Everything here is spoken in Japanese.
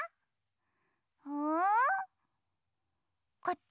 うん？こっち？